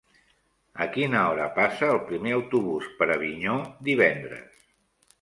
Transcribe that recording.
A quina hora passa el primer autobús per Avinyó divendres?